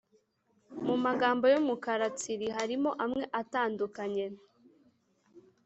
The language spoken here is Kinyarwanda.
Mu magambo y’umukara tsiri harimo amwe atandukanye